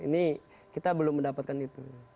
ini kita belum mendapatkan itu